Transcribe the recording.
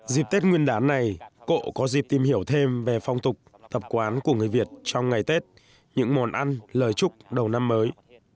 dịp tết nguyên đán này cộ có dịp tìm hiểu thêm về phong tục tập quán của người việt trong ngày tết những món ăn lời chúc đầu năm mới